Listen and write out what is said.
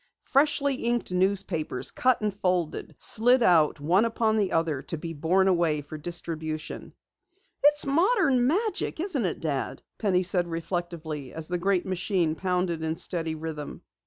Freshly inked newspapers, cut and folded, slid out one upon the other to be borne away for distribution. "It's modern magic, isn't it, Dad?" Penny said reflectively as the great machine pounded in steady rhythm.